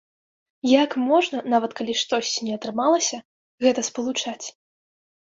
Як можна, нават калі штосьці не атрымалася, гэта спалучаць?